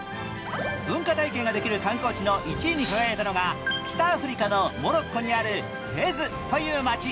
文化体験ができる観光地の１位に輝いたのが北アフリカのモロッコにあるフェズという街。